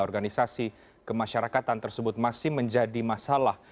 organisasi kemasyarakatan tersebut masih menjadi masalah